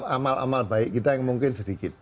amal amal baik kita yang mungkin sedikit